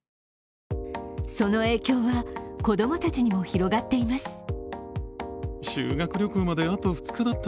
その影響は子供たちにも広がっています。